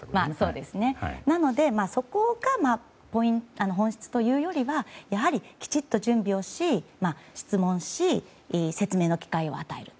なので、そこが本質というよりはやはり、きちっと準備をし質問し、説明の機会を与える。